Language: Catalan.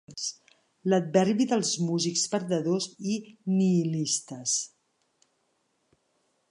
L'adverbi dels músics perdedors i nihilistes.